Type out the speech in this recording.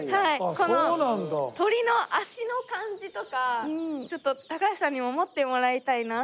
この鳥の脚の感じとかちょっと高橋さんにも持ってもらいたいな。